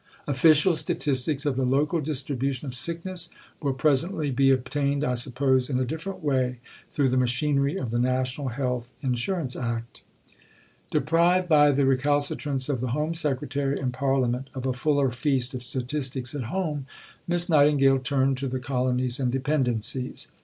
Official statistics of the local distribution of sickness will presently be obtained, I suppose, in a different way, through the machinery of the National Health Insurance Act. Lords' debate, July 24; principal Commons' debate, July 12, 1860. Deprived by the recalcitrance of the Home Secretary and Parliament of a fuller feast of statistics at home, Miss Nightingale turned to the Colonies and Dependencies.